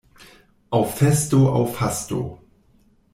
Aŭ festo, aŭ fasto.